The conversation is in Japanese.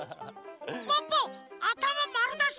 ポッポあたままるだし！